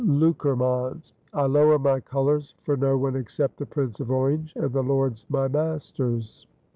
Loockermans: "I lower my colors for no one except the Prince of Orange and the Lords my masters."